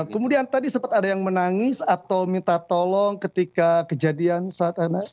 kemudian tadi sempat ada yang menangis atau minta tolong ketika kejadian saat anak